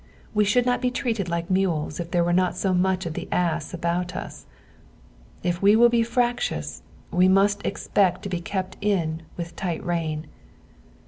We should not be treated like mules if there was not so much of the ass about us. If we will be fractious, we must expect to be kept in with tight rein.